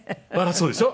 そうでしょ？